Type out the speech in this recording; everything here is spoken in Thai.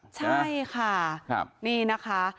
ใช่ค่ะ